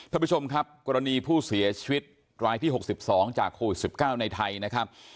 ท่านผู้ชมครับกรณีผู้เสียชีวิตรายที่๖๒จากโควิด๑๙ในไทยนะครับ